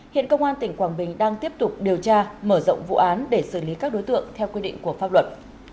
hiện công an tỉnh quảng bình đang tiếp tục điều tra mở rộng vụ án để xử lý các đối tượng theo quy định của pháp luật